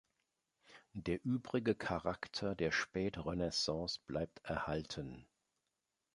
Der übrige Charakter der Spätrenaissance bleibt erhalten.